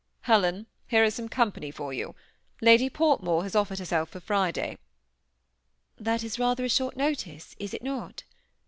" Helen, here is some company for you. Lady Port more has offered herself for Friday." " That is rather a short notice, is it not